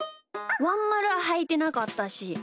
ワンまるははいてなかったし。